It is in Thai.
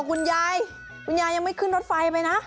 คุณยายคุณยายยังไม่ขึ้นรถไฟไปนะ